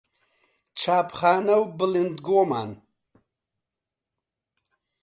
چاپخانە و بڵیندگۆمان